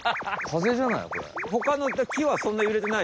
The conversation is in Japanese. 風じゃない。